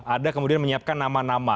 ada kemudian menyiapkan nama nama